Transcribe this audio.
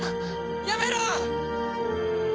やめろ！